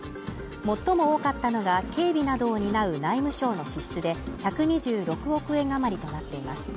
最も多かったのが警備など担う内務省の支出で１２６億円余りとなっています。